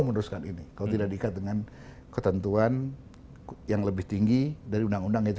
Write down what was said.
meneruskan ini kalau tidak diikat dengan ketentuan yang lebih tinggi dari undang undang itu